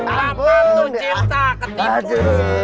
apa tuh cinta ketipu